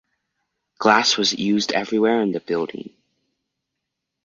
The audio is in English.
Glass was used everywhere in the building.